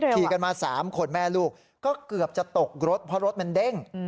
ขี่กันมา๓คนแม่ลูกก็เกือบจะตกรถเพราะรถมันเด้ง